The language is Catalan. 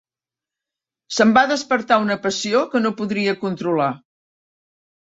Se'm va despertar una passió que no podria controlar.